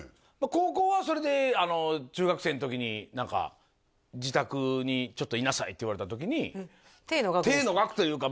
高校はそれで中学生の時に何か自宅にちょっといなさいって言われた時に停の学ですか？